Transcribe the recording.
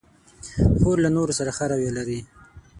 خور له نورو سره ښه رویه لري.